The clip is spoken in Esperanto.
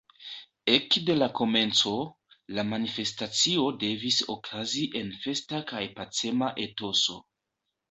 Ekde la komenco, la manifestacio devis okazi en festa kaj pacema etoso.